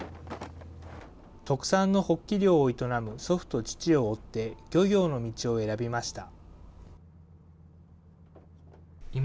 特産のホッキ漁を営む祖父と父を追って、漁業の道を選びました。